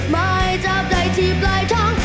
มาให้จับใจที่ปลายท้อง